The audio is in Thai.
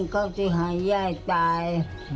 เขาจะให้ยายตาย